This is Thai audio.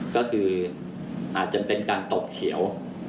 ก็คืออาจจะเป็นการตกเขียว